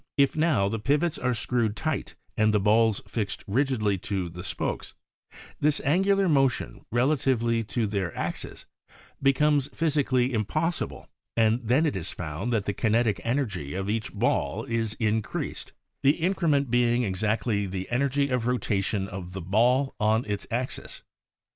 If now the pivots are screwed tight and the balls fixt rigidly to the spokes, this angular motion relatively to their axes becomes physically im possible and then it is found that the kinetic energy of each ball is in creased, the increment being exactly the energy of rotation of the ball on its axis.